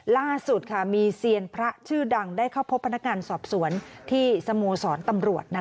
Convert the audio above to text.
ล่าสุดมีเซียนพระชื่อดังได้เข้าพบพนักงานสอบสวนที่สโมสรตำรวจ